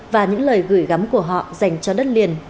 và những lời gửi gắm của họ dành cho đất liền và tổ quốc